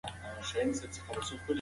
د مور د خوب کموالی روغتيا اغېزمنوي.